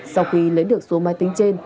sau khi lấy được số máy tính trên